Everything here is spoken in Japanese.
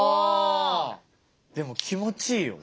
でも気持ちいいよ